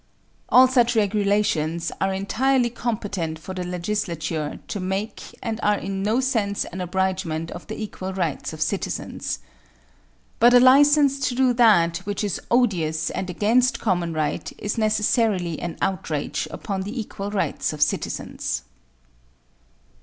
All such regulations are entirely competent for the legislature to make and are in no sense an abridgment of the equal rights of citizens. But a license to do that which is odious and against common right is necessarily an outrage upon the equal rights of citizens.